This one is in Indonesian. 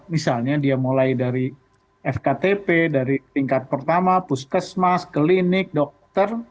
misalnya dia mulai dari fktp dari tingkat pertama puskesmas klinik dokter